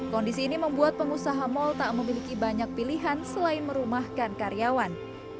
kondisi ini membuat pengusaha mal tak memiliki banyak pilihan selain merumahkan karyawan